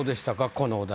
このお題。